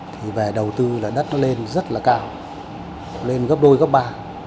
thì về đầu tư là đất nó lên rất là cao lên gấp đôi gấp ba